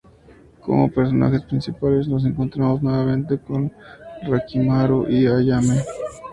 Como personajes principales, nos encontramos nuevamente con Rikimaru y Ayame.